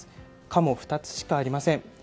課も２つしかありません。